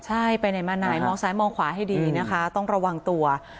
ใช่ไปไหนมาไหนมองซ้ายมองขวาให้ดีนะคะต้องระวังตัว